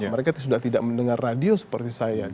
mereka sudah tidak mendengar radio seperti saya